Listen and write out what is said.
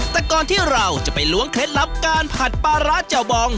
แต่ก่อนที่เราจะไปล้วงเคล็ดลับการผัดปลาร้าแจ่วบอง